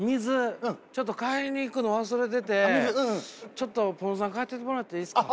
ちょっとぽんづさん買ってきてもらっていいですか？